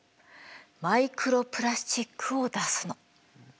マイクロプラスチックを出すの。